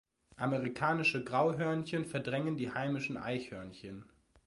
Amerikanische Grauhörnchen verdrängen die heimischen Eichhörnchen.